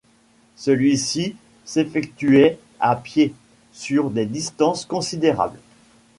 Celui-ci s'effectuait à pied, sur des distances considérables.